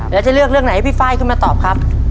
แล้วจะเลือกเรื่องไหนให้พี่ไฟล์ขึ้นมาตอบครับ